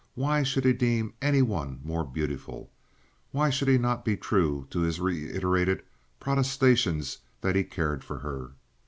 Why should he deem any one more beautiful? Why should he not be true to his reiterated protestations that he cared for her?